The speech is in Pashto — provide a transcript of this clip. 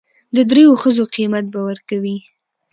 د درېو ښځو قيمت به ور کوي.